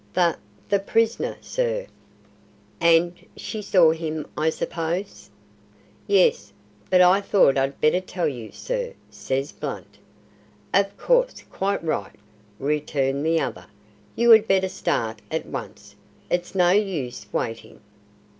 "The the prisoner, sir." "And she saw him, I suppose?" "Yes, but I thought I'd better tell you, sir," says Blunt. "Of course; quite right," returned the other; "you had better start at once. It's no use waiting."